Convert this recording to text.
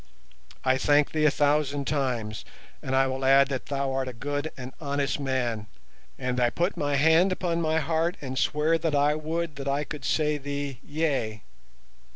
I thank thee a thousand times, and I will add that thou art a good and honest man, and I put my hand upon my heart and swear that I would that I could say thee 'yea'.